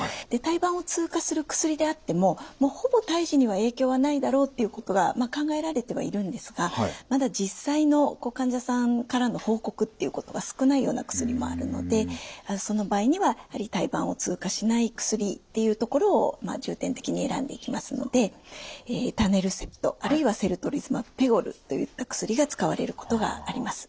胎盤を通過する薬であってもほぼ胎児には影響はないだろうっていうことが考えられてはいるんですがまだ実際の患者さんからの報告っていうことは少ないような薬もあるのでその場合にはやはり胎盤を通過しない薬っていうところを重点的に選んでいきますのでエタネルセプトあるいはセルトリズマブペゴルといった薬が使われることがあります。